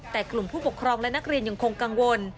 แต่กลุ่มผู้ปกครองและนักเรียนยังคงกังวล